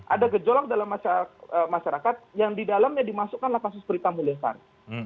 ada gejolak dalam masyarakat yang di dalamnya dimasukkanlah kasus perintah mulia sehari